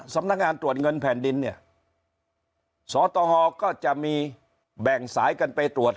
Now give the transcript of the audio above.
สำนักงานตรวจเงินแผ่นดินเนี่ยสตฮก็จะมีแบ่งสายกันไปตรวจ